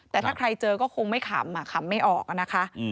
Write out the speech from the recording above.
แต่ถ้าใครเจอก็คงไม่ขำขำไม่ออกนะคะ